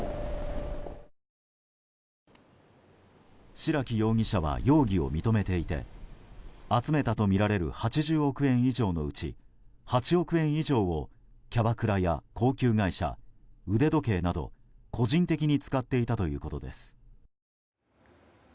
白木容疑者は容疑を認めていて集めたとみられる８０億円以上のうち８億円以上をキャバクラや高級外車、腕時計など個人的に使っていたということです。